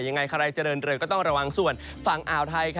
ยังไงใครจะเดินเรือก็ต้องระวังส่วนฝั่งอ่าวไทย